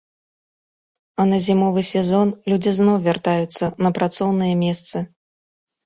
А на зімовы сезон людзі зноў вяртаюцца на працоўныя месцы.